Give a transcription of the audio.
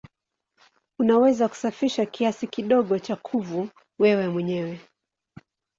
Unaweza kusafisha kiasi kidogo cha kuvu wewe mwenyewe.